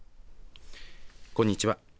こんにちは。